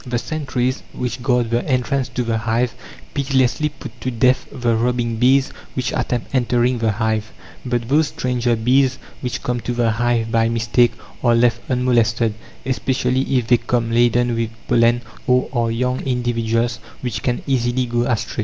The sentries which guard the entrance to the hive pitilessly put to death the robbing bees which attempt entering the hive; but those stranger bees which come to the hive by mistake are left unmolested, especially if they come laden with pollen, or are young individuals which can easily go astray.